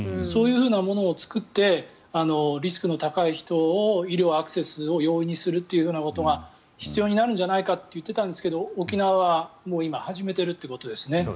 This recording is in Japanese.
そういうものを作ってリスクの高い人を医療アクセスを容易にするということが必要になるんじゃないかと言っていたんですが沖縄は、もう今始めているということですね。